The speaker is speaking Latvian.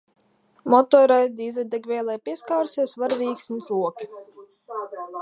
Motoreļļa dīzeļdegvielai pieskārusies. Varavīksnes loki.